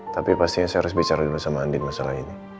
tapi pastinya saya harus bicara dulu sama andin masalah ini